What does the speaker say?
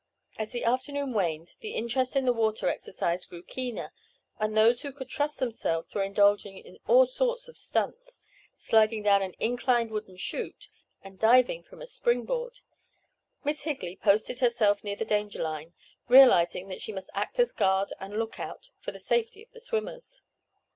As the afternoon waned the interest in the water exercise grew keener, and those who could trust themselves were indulging in all sorts of "stunts," sliding down an inclined wooden chute, and diving from a spring board. Miss Higley posted herself near the danger line, realizing that she must act as guard and look out for the safety of the swimmers.